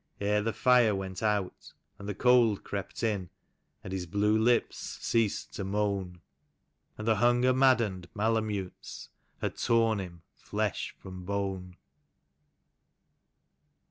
Ere the fre ivent out and the cold crept in, and his blue lips ceased to moan, And the hunger maddened malamutes had torn him flesh from hone.